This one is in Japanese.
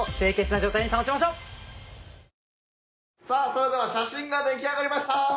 さあそれでは写真が出来上がりました！